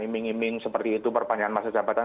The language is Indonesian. iming iming seperti itu perpanjangan masa jabatan